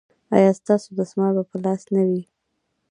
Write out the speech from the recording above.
ایا ستاسو دستمال به په لاس نه وي؟